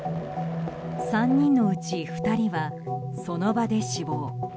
３人のうち２人はその場で死亡。